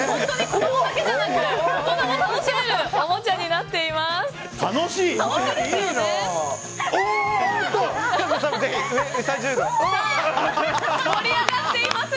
子供だけじゃなく大人も楽しめるおもちゃになっています。